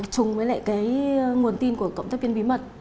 chúng với lại cái nguồn tin của cộng chấp viên bí mật